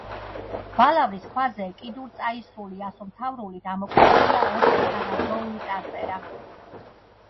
ბალავრის ქვაზე, კიდურწაისრული ასომთავრულით ამოკვეთილია ოთხი თანადროული წარწერა.